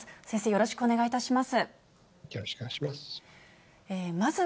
よろしくお願いします。